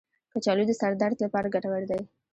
کچالو د سر درد لپاره ګټور دی.